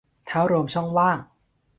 ถ้ารวมช่องว่าง